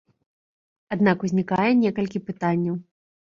Аднак узнікае некалькі пытанняў.